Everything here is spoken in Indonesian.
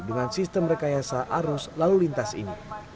dengan sistem rekayasa arus lalu lintas ini